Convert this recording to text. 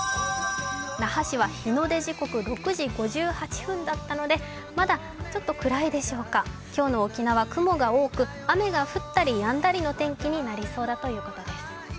那覇市は日の出時刻６時５８分だったので、まだちょっと暗いでしょうか、今日の沖縄、雲が多く、雨が降ったりやんだりの天気になりそうだということです。